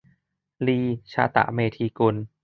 ลี ชาตะเมธีกุล